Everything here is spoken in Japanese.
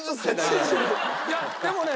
いやでもね。